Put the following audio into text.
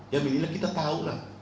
ya minimal kita tahu lah